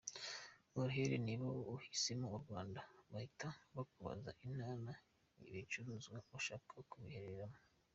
Uruhero niba uhisemo u Rwanda, bahita bakubaza Intara ibicuruzwa ushaka biherereyemo.